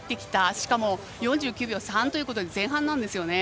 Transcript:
しかも４９秒３ということで前半なんですよね。